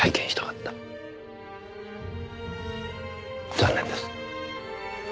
残念です。